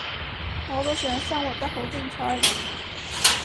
我都想生活得好精彩